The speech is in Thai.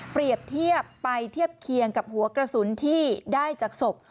เปรียบเทียบไปเทียบเคียงกับหัวกระสุนที่ได้จากศพ